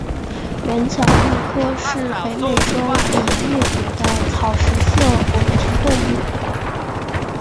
原角鹿科是北美洲已灭绝的草食性偶蹄动物。